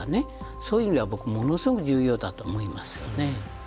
そういう意味では僕ものすごく重要だと思いますよね。